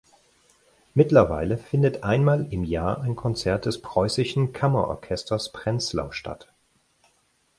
Mittlerweile findet einmal im Jahr ein Konzert des Preußischen Kammerorchesters Prenzlau statt.